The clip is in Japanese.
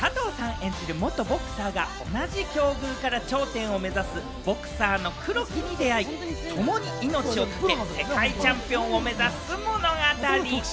演じる元ボクサーが同じ境遇から頂点を目指すボクサーの黒木に出会い、共に命をかけ、世界チャンピオンを目指す物語。